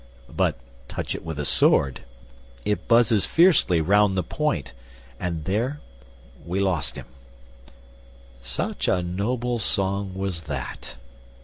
but touch it with a sword, It buzzes fiercely round the point; and there We lost him: such a noble song was that.